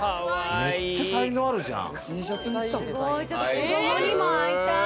めっちゃ才能あるじゃん！